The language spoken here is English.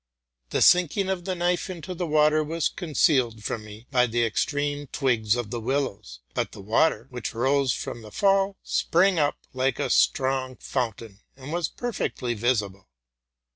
The sinking of the knife into the water was concealed from me by the extreme twigs of the willows ; but the water, which rose from the fall, sprang up like a strong fountain, and was perfectly visible.